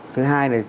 thứ hai là